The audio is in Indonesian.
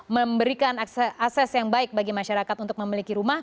memberikan akses yang baik bagi masyarakat untuk memiliki rumah